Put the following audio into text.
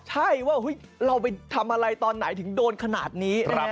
ใช่ว่าเราไปทำอะไรตอนไหนถึงโดนขนาดนี้